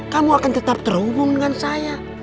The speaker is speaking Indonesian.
kamu akan tetap terhubung dengan saya